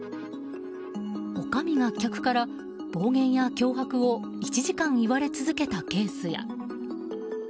おかみが客から、暴言や脅迫を１時間言われ続けたケースや。